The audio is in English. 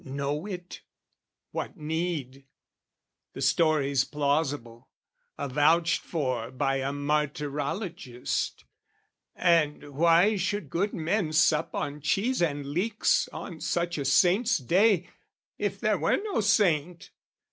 "Know it, what need? The story's plausible, "Avouched for by a martyrologist, "And why should good men sup on cheese and leeks "On such a saint's day, if there were no saint?"